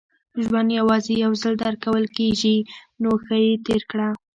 • ژوند یوازې یو ځل درکول کېږي، نو ښه یې تېر کړه.